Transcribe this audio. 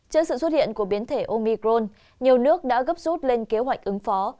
trước sự xuất hiện của biến thể omicron nhiều nước đã gấp rút lên kế hoạch ứng phó